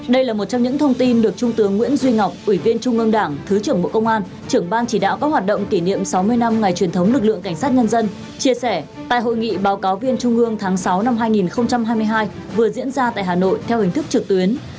đây là một trong những thông tin được trung tướng nguyễn duy ngọc ủy viên trung ương đảng thứ trưởng bộ công an trưởng ban chỉ đạo các hoạt động kỷ niệm sáu mươi năm ngày truyền thống lực lượng cảnh sát nhân dân chia sẻ tại hội nghị báo cáo viên trung ương tháng sáu năm hai nghìn hai mươi hai vừa diễn ra tại hà nội theo hình thức trực tuyến